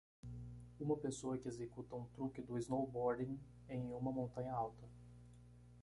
Uma pessoa que executa um truque do snowboarding em uma montanha alta.